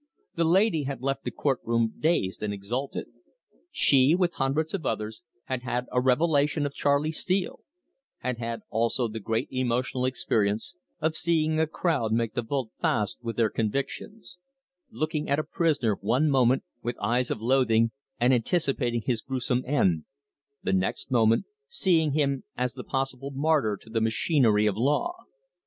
The lady had left the court room dazed and exalted. She, with hundreds of others, had had a revelation of Charley Steele; had had also the great emotional experience of seeing a crowd make the 'volte face' with their convictions; looking at a prisoner one moment with eyes of loathing and anticipating his gruesome end, the next moment seeing him as the possible martyr to the machinery of the law.